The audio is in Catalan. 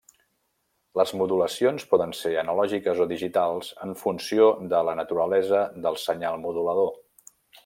Les modulacions poden ser analògiques o digitals en funció de la naturalesa del senyal modulador.